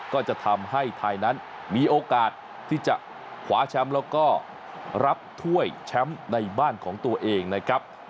ก็จะทำให้ไทยนั้นมีโอกาสที่จะคว้าแชมป์แล้วก็รับถ้วยแชมป์ในบ้านของตัวเองนะครับ